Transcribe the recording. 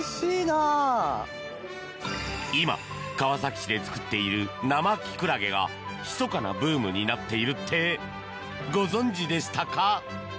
今、川崎市で作っている生キクラゲが密かなブームになっているってご存じでしたか？